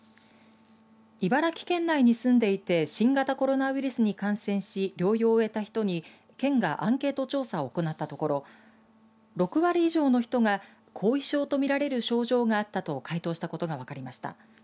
茨城県内に住んでいて新型コロナウイルスに感染し療養を終えた人に県がアンケート調査を行ったところ６割以上の人が後遺症とみられる症状があったと回答したことが分かりました。